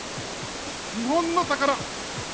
日本の宝。